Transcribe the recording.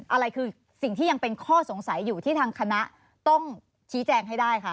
อะไรคือสิ่งที่ยังเป็นข้อสงสัยอยู่ที่ทางคณะต้องชี้แจงให้ได้คะ